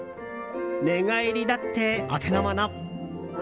寝返りだって、お手の物。